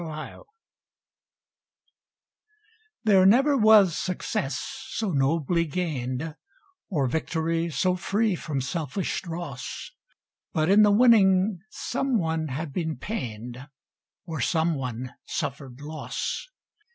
SUN SHADOWS There never was success so nobly gained, Or victory so free from selfish dross, But in the winning some one had been pained Or some one suffered loss.